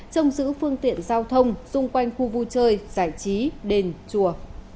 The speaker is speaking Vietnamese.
trông giữ phương tiện giao thông xung quanh khu vui chơi giải trí đền chùa